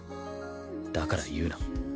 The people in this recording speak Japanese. だから言うな。